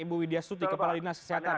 ibu widya suti kepala dinas kesehatan